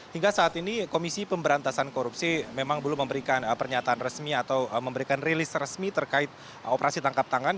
hingga saat ini komisi pemberantasan korupsi memang belum memberikan pernyataan resmi atau memberikan rilis resmi terkait operasi tangkap tangan